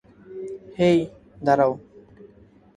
হেই, দাঁড়াও!